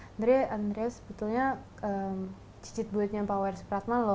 andrea andrea sebetulnya cicit buletnya pak wage rudolf supratman loh